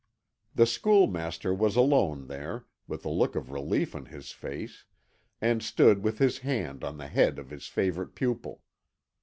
The schoolmaster was also there, with a look of relief on his face, and stood with his hand on the head of his favourite pupil.